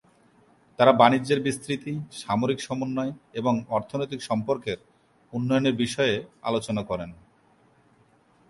তারা বাণিজ্যের বিস্তৃতি, সামরিক সমন্বয় এবং অর্থনৈতিক সম্পর্কের উন্নয়নের বিষয়ে আলোচনা করেন।